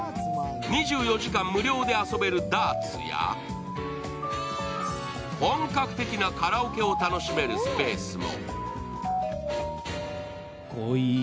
２４時間無料で遊べるダーツや、本格的なカラオケを楽しめるスペースも。